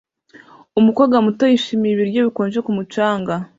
Umukobwa muto yishimira ibiryo bikonje ku mucanga